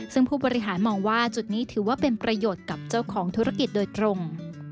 ซึ่งผู้บริหารมองว่าจุดนี้ถือว่าเป็นประโยชน์กับเจ้าของธุรกิจโดยตรง